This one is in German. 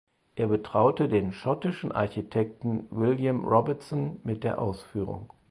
Er betraute den schottischen Architekten William Robertson mit der Ausführung.